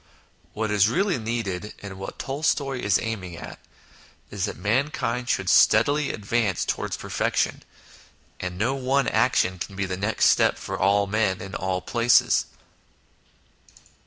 What is really needed, and what Tolstoy is aiming at, is that mankind should steadily advance towards perfection, and no one action can be the next step for all men in all places.